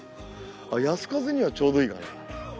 泰風にはちょうどいいかな。